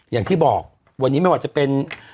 อย่างที่บอกวันนี้ไม่ว่าจะเป็น